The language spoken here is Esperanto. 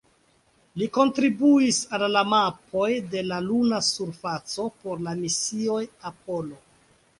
Li kontribuis al la mapoj de la luna surfaco por la misioj Apollo.